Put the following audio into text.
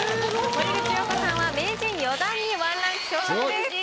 森口瑤子さんは名人４段に１ランク昇格です。